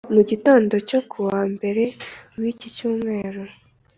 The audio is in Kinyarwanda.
mu gitondo cyo kuwa Mbere w’iki cyumweru